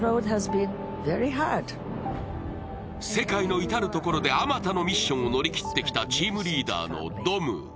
世界の至る所であまたのミッションを乗り切ってきたチームリーダーのドム。